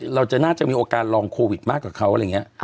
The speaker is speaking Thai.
เราจะน่าจะมีโอกาสลองโควิดมากกว่าเขาอะไรอย่างนี้